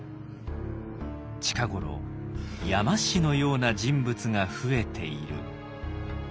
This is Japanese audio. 「近頃山師のような人物が増えている」。